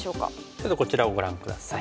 ちょっとこちらをご覧下さい。